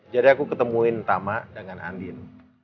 jadi aku ketemuin tama dengan andin